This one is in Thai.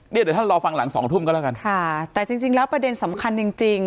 เดี๋ยวท่านรอฟังหลังสองทุ่มก็แล้วกันค่ะแต่จริงจริงแล้วประเด็นสำคัญจริงจริง